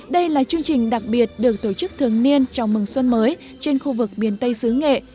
đây là chương trình đặc biệt được tổ chức thường niên chào mừng xuân mới trên khu vực miền tây xứ nghệ